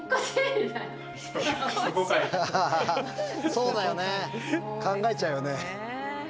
そうだよね考えちゃうよね。